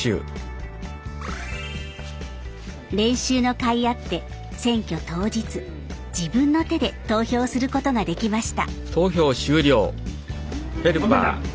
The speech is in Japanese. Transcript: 練習のかいあって選挙当日自分の手で投票することができました。